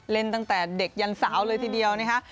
ตั้งแต่เด็กยันสาวเลยทีเดียวนะคะ